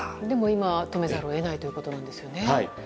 でも今は止めざるを得ないということなんですね。